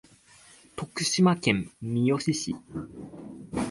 徳島県三好市